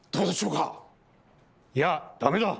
いやダメだ！